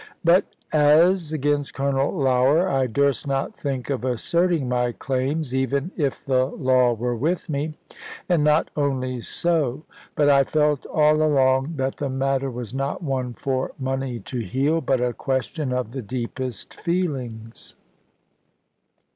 But as against Colonel Lougher I durst not think of asserting my claims, even if the law were with me; and not only so; but I felt all along that the matter was not one for money to heal, but a question of the deepest feelings.